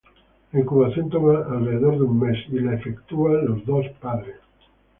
La incubación toma alrededor de un mes y es efectuada por los dos padres.